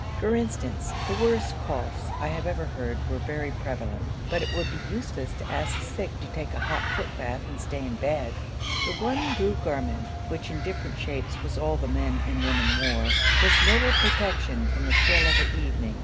For instance, the worst coughs I ever heard were very prevalent, but it would be useless to ask the sick to take a hot footbath and stay in bed. The one blue garment, which in different shapes was all the men and women wore, was little protection from the chill of the evening.